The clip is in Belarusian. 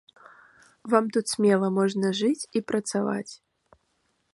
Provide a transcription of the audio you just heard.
Вам тут смела можна жыць і працаваць.